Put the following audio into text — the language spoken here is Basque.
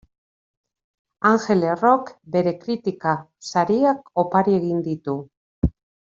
Angel Errok bere kritika sariak opari egin ditu.